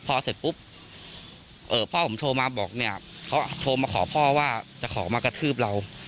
พอเสร็จปุ๊บพ่อผมโทรมาบอกเนี่ยเขาโทรมาขอพ่อว่าจะขอมากระทืบเรา